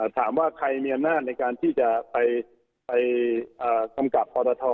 ถามว่าใครมีอำนาจในการที่จะไปกำกับปรท